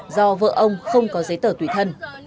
do vợ ông không có giấy tờ tùy thân